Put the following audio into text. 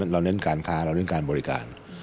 เน้นการค้าเราเน้นการบริการ